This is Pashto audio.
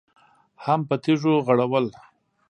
هم په تيږو غړول.